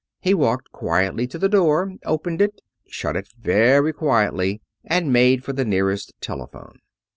He walked quietly to the door, opened it, shut it very quietly, then made for the nearest telephone.